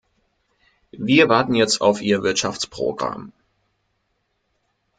Wir warten jetzt auf ihr Wirtschaftsprogramm.